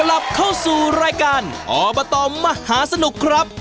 กลับเข้าสู่รายการออเบอตเตอร์มหาสนุกครับ